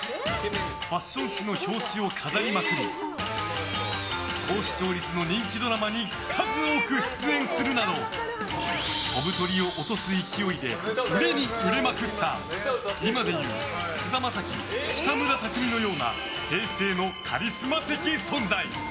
ファッション誌の表紙を飾りまくり高視聴率の人気ドラマに数多く出演するなど飛ぶ鳥を落とす勢いで売れに売れまくった今で言う菅田将暉、北村匠海のような平成のカリスマ的存在。